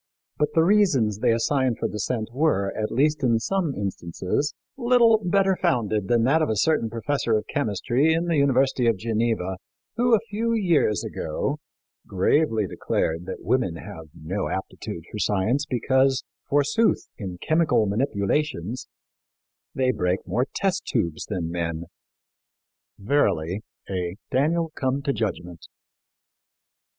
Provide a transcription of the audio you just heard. But the reasons they assign for dissent were, at least in some instances, little better founded than that of a certain professor of chemistry in the University of Geneva, who, a few years ago, gravely declared that women have no aptitude for science because, forsooth, in chemical manipulations they break more test tubes than men. Verily, "a Daniel come to judgment."